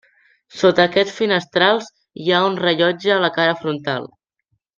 Sota aquests finestrals hi ha un rellotge a la cara frontal.